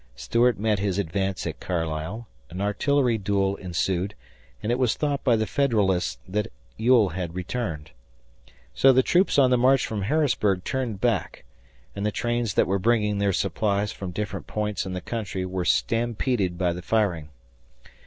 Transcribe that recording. Stuart met his advance at Carlisle, an artillery duel ensued, and it was thought by the Federalists that Ewell had returned. So the troops on the march from Harrisburg turned back, and the trains that were bringing their supplies from different points in the country were stampeded by the firing.